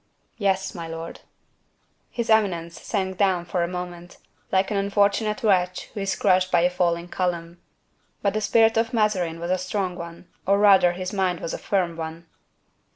"Yes, my lord." His eminence sank down for a moment, like an unfortunate wretch who is crushed by a falling column. But the spirit of Mazarin was a strong one, or rather his mind was a firm one.